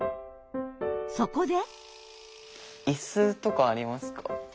そこで。